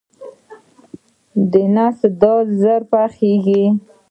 د نسکو دال ژر پخیږي.